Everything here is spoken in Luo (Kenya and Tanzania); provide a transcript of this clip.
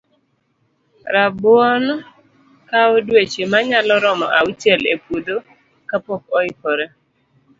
Rabuon kawo dueche manyalo romo auchiel e puodho ka pok oikore